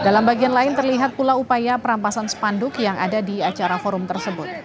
dalam bagian lain terlihat pula upaya perampasan spanduk yang ada di acara forum tersebut